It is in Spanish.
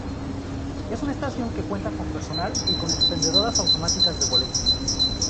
Es una estación que cuenta con personal y con expendedoras automáticas de boletos.